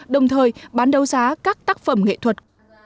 đồng thời bán đấu giá các tác phẩm nghệ thuật